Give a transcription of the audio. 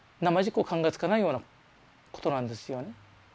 こう考えつかないようなことなんですよね。